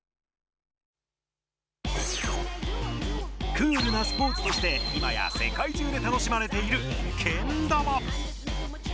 クールなスポーツとしていまや世界中で楽しまれている「けん玉」。